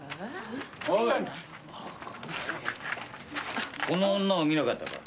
おいこの女を見なかったか？